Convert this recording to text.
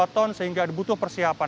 satu dua ton sehingga butuh persiapan